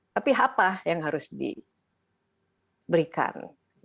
tapi apa yang harus diberikan